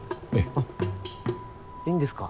あいいんですか？